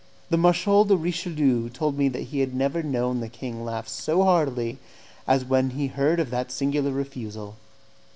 The Marshal de Richelieu told me that he had never known the king laugh so heartily as when he heard of that singular refusal.